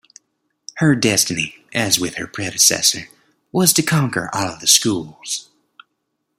Her destiny, as with her predecessor, was to conquer all of the schools.